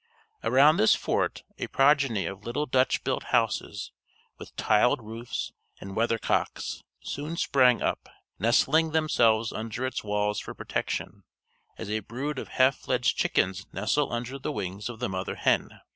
Around this fort a progeny of little Dutch built houses, with tiled roofs and weathercocks, soon sprang up, nestling themselves under its walls for protection, as a brood of half fledged chickens nestle under the wings of the mother hen.